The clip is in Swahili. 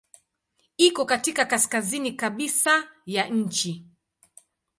Iko katika kaskazini kabisa ya nchi.